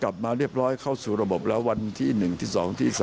กลับมาเรียบร้อยเข้าสู่ระบบแล้ววันที่๑ที่๒ที่๓